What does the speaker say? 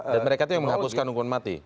dan mereka itu yang menghapuskan hukuman mati